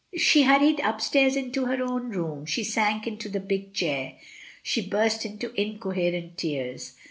She hurried upstairs into her own room, she sank into the big chair, she burst into incoherent tears.